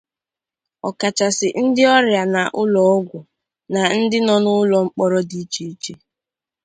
ọkachasị ndị ọrịa nọ n'ụlọọgwụ na ndị nọ n'ụlọ mkpọrọ dị iche iche.